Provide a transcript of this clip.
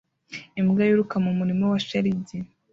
Imbwa yiruka mu murima wa shelegi